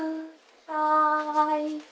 はい。